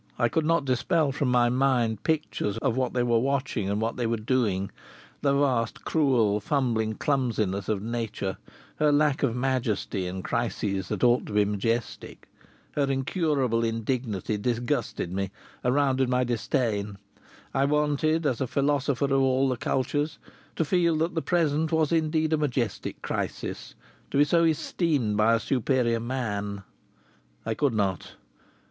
I could not dispel from my mind pictures of what they were watching and what they were doing. The vast, cruel, fumbling clumsiness of Nature, her lack of majesty in crises that ought to be majestic, her incurable indignity, disgusted me, aroused my disdain, I wanted, as a philosopher of all the cultures, to feel that the present was indeed a majestic crisis, to be so esteemed by a superior man. I could not.